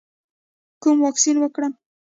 کوم واکسین وکړم؟